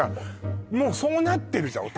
もうそうなってるじゃん